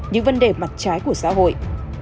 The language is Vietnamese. những vấn đề mặt trái của xã hội